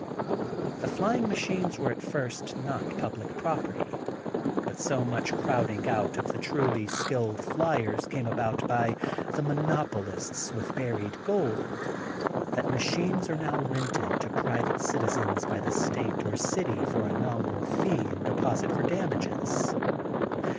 The flying machines were at first not public property. But so much crowding out of the truly skilled flyers came about by the monopolists with buried gold, that ma chines are now rented to private citizens by the state or city for a nominal fee and deposit' for damages.